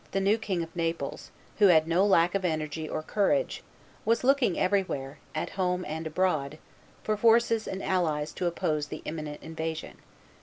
the new King of Naples, who had no lack of energy or courage, was looking everywhere, at home and abroad, for forces and allies to oppose the imminent invasion.